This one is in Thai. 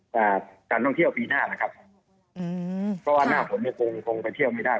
การท่องเที่ยวปีหน้านะครับอืมเพราะว่าหน้าฝนเนี่ยคงคงไปเที่ยวไม่ได้